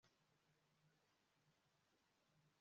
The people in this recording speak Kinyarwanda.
Ako kanya Fabric yahise afata agasume ubundi